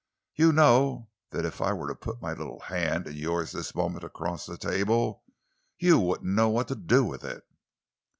You know that if I were to put my little hand in yours this moment across the table, you wouldn't know what to do with it."